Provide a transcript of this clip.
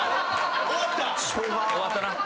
終わった。